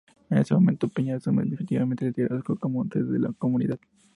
En ese momento, Peña asume definitivamente el liderazgo como sede de la comunidad.